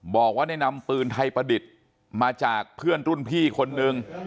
บอกว่าได้นำปืนไทยประดิษฐ์มาจากเพื่อนรุ่นพี่คนนึง